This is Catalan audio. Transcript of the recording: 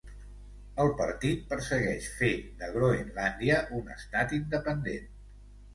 El partit persegueix fer de Groenlàndia un estat independent.